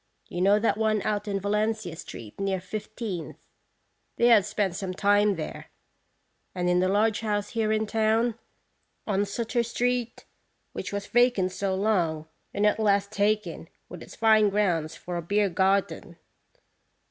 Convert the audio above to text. You know that one out on Valencia street, near Fifteenth? They have spent some time there ; and in the large house here in town, on Sutter street, which was vacant so long, and at last taken, with its fine grounds, for a beer garden."